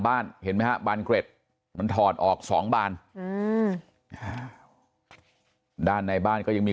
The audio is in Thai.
เห็นไหมฮะบานเกร็ดมันถอดออกสองบานด้านในบ้านก็ยังมี